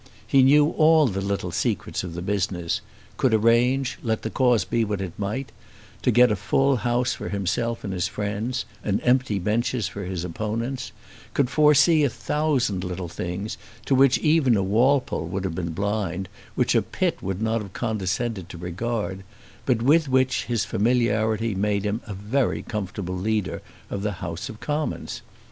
He knew all the little secrets of the business; could arrange, let the cause be what it might, to get a full House for himself and his friends, and empty benches for his opponents, could foresee a thousand little things to which even a Walpole would have been blind, which a Pitt would not have condescended to regard, but with which his familiarity made him a very comfortable leader of the House of Commons.